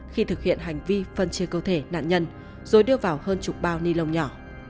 khi thực hiện hành vi phân chia cơ thể nạn nhân rồi đưa vào hơn chục bao ni lông nhỏ